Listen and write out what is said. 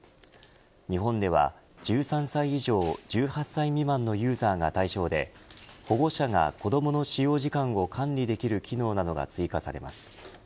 日本では１３歳以上１８歳未満のユーザーが対象で保護者が子どもの使用時間を管理できる機能などが追加されます。